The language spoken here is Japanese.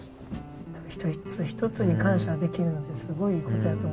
一つ一つに感謝できるのってすごいことやと。